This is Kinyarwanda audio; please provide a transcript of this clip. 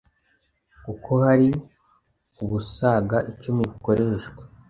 kuko hari ubusaga icumi bukoreshwa